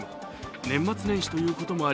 年末年始ということもあり